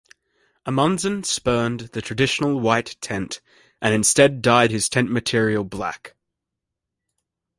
Amundsen spurned the traditional white tent, and instead dyed his tent material black.